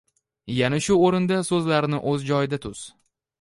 Yana shu o’rinda so’zlarni o’z joyida tuz.